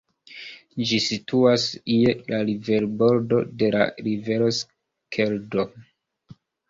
Ĝi situas je la riverbordo de la rivero Skeldo.